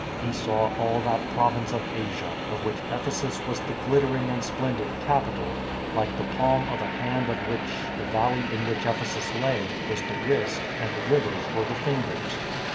He saw all that province of Asia, of which Ephesus was the glittering and splendid capital, like the palm of a hand of which the valley in which Ephesus lay was the wrist and the rivers were the fingers.